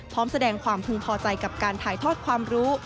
พร้อมแสดงความพึงพอใจกับการถ่ายทอดความรู้